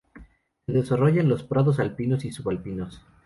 Se desarrolla en los prados alpinos y subalpinos.